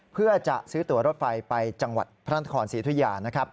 เพื่อจะซื้อตัวรถไฟไปจังหวัดพระนครศรีธุยา